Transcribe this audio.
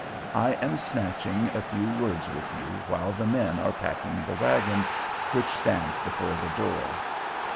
I am snatching a few words with you while the men are packing the wagon, which stands before the door.